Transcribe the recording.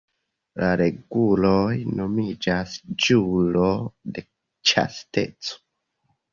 La reguloj nomiĝas "ĵuro de ĉasteco".